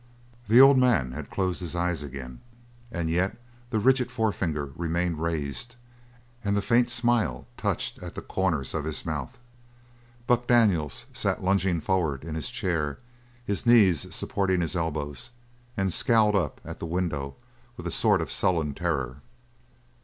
The old man had closed his eyes again. And yet the rigid forefinger remained raised, and the faint smile touched at the corners of his mouth. Buck Daniels sat lunging forward in his chair, his knees supporting his elbows, and scowled up at the window with a sort of sullen terror.